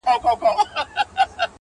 o په سترگو گوري، په زوى لوړي.